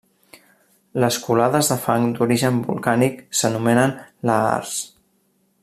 Les colades de fang d'origen volcànic s'anomenen lahars.